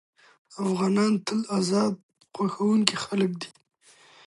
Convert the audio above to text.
افغانان تل ازادي خوښوونکي خلک دي.